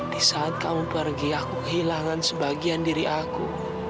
di saat kamu pergi aku kehilangan sebagian diri aku